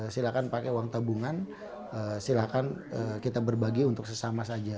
silahkan pakai uang tabungan silahkan kita berbagi untuk sesama saja